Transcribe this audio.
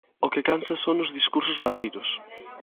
O que cansa son os discursos baleiros.